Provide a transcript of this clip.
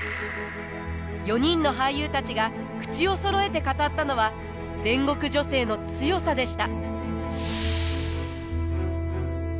４人の俳優たちが口をそろえて語ったのは戦国女性の強さでした。